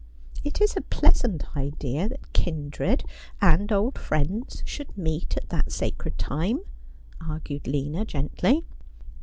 'It is a pleasant idea that kindred and old friends should meet at that sacred time,' argued Lina gently.